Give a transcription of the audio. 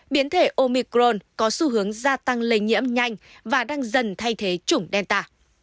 biến thể omicron có xu hướng gia tăng lây nhiễm nhanh và đang dần thay thế chủng delta